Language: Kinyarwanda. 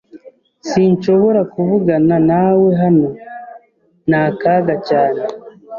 S Sinshobora kuvugana nawe hano. Ni akaga cyane.